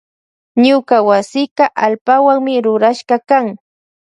Ñuka wasika allpawanmi rurashkakan.